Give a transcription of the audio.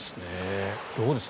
どうです？